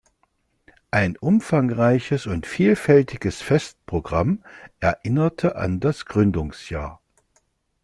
Ein umfangreiches und vielfältiges Festprogramm erinnerte an das Gründungsjahr.